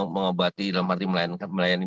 mengobati dan melayani